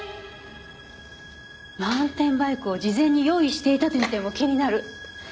マウンテンバイクを事前に用意していたという点も気になる。